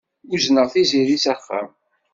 Uzneɣ Tiziri s axxam.